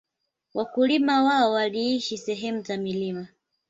Wakulima wao waliishi sehemu za milimani